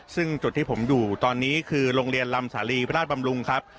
ซึ่งจุดที่ผมอยู่ตอนนี้คือโรงเรียนลำสาลีพระราชบำรุงครับ